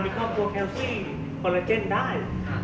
มีครอบครัวแคลซี่คอลลาเจนได้